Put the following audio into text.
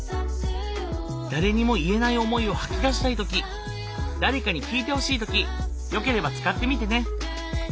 誰にも言えない思いを吐き出したい時誰かに聞いてほしい時よければ使ってみてね。